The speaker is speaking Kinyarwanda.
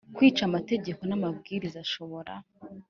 Kwica amategeko n amabwiriza ashobora